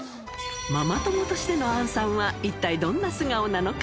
ママ友としての杏さんは一体どんな素顔なのか？